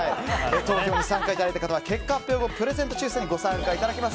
投票にご参加いただい方は結果発表後、プレゼント抽選にご参加いただけます。